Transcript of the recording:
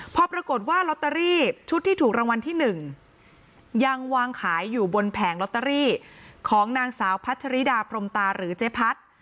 พอปรากฏว่าลอตเตอรี่ชุดที่ถูกรางวัลที่๑ยังวางขายอยู่บนแผงลอตเตอรี่ของนางสาวพัชริดาพรมตาหรือเจ๊พัด